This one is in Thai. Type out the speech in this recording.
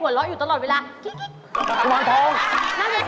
หัวเราะอยู่ตลอดเวลาคิ้ก